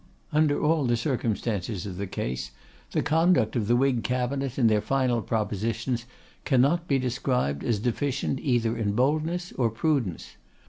Under all the circumstances of the case, the conduct of the Whig Cabinet, in their final propositions, cannot be described as deficient either in boldness or prudence.